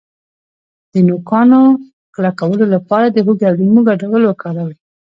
د نوکانو کلکولو لپاره د هوږې او لیمو ګډول وکاروئ